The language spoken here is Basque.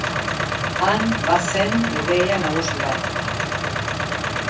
Han bazen ideia nagusi bat.